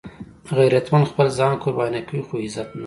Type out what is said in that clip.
غیرتمند خپل ځان قرباني کوي خو عزت نه